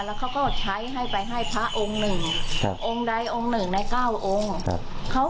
แล้วเขาก็ใช้ให้ไปให้พระองค์หนึ่งครับองค์ใดองค์หนึ่งในเก้าองค์ครับ